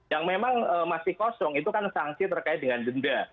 yang memang masih kosong itu kan sanksi terkait dengan denda